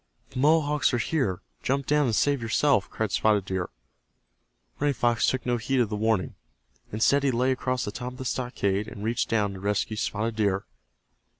"The Mohawks are here, jump down and save yourself," cried Spotted Deer. Running Fox took no heed of the warning. Instead he lay across the top of the stockade, and reached down to rescue Spotted Deer.